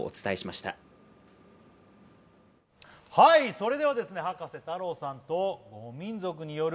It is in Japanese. それでは葉加瀬太郎さんとゴミンゾクさんによる